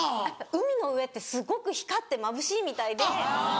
海の上ってすごく光ってまぶしいみたいで。